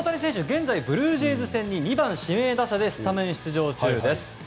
現在、ブルージェイズ戦に２番指名打者でスタメン出場中です。